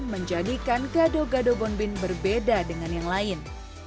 menjadikan gado gado bonbin berbeda dengan yang lain